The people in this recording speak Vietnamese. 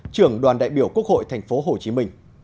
trưởng đoàn đại biểu quốc hội tp hcm